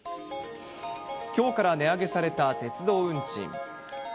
きょうから値上げされた鉄道運賃。